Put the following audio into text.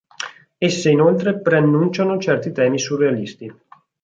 Esse inoltre preannunciano certi temi surrealisti.